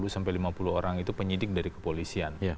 sepuluh sampai lima puluh orang itu penyidik dari kepolisian